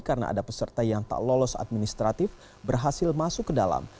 karena ada peserta yang tak lolos administratif berhasil masuk ke dalam